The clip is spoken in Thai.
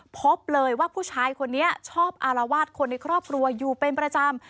พบเลยว่าผู้ชายคนนี้ชอบอารวาสคนในครอบครัวอยู่เป็นประจำ